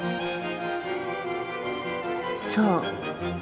そう。